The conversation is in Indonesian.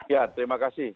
ya terima kasih